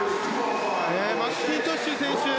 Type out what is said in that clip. マッキントッシュ選手